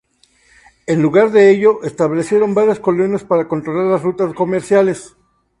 En lugar de ello, establecieron varias colonias para controlar las rutas comerciales.